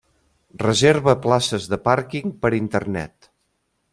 Reserva places de pàrquing per Internet.